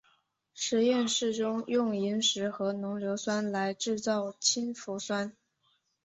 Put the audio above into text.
实验室中用萤石和浓硫酸来制造氢氟酸。